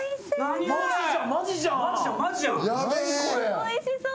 おいしそう。